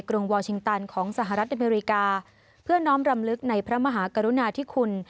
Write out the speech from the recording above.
รุงวอลชิงตันของสหรัฐอเมริกาเพื่อน้อมรำลึกในพระมหากรุณาธิคุณ